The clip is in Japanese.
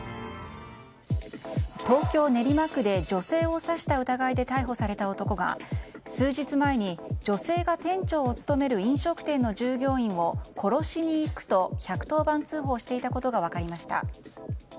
東京・練馬区で女性を刺した疑いで逮捕された男が数日前に、女性が店長を務める飲食店の従業員を殺しに行くと１１０番通報していたことが分かりました。